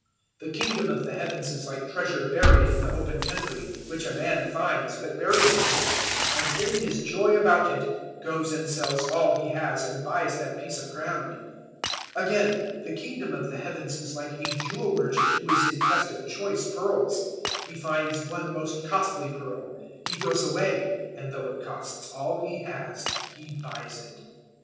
013:044 "The Kingdom of the Heavens is like treasure buried in the open country, which a man finds, but buries again, and, in his joy about it, goes and sells all he has and buys that piece of ground. 013:045 "Again the Kingdom of the Heavens is like a jewel merchant who is in quest of choice pearls. 013:046 He finds one most costly pearl; he goes away; and though it costs all he has, he buys it.